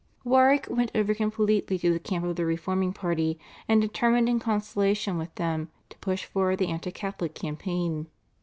Warwick went over completely to the camp of the reforming party and determined in consultation with them to push forward the anti Catholic campaign.